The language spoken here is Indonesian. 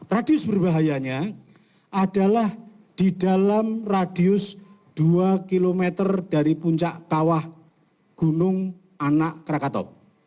radius berbahayanya adalah di dalam radius dua km dari puncak kawah gunung anak krakato